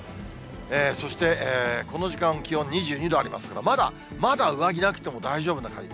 そして、この時間、気温２２度ありますから、まだ、まだ上着なくても大丈夫な感じ。